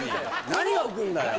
何が浮くんだよ